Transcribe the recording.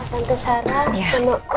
tante sarah sama